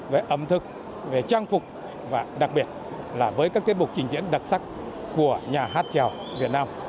về ẩm thực về trang phục và đặc biệt là với các tiết mục trình diễn đặc sắc của nhà hát trèo việt nam